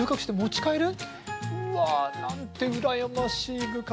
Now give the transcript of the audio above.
うわなんて羨ましい部活。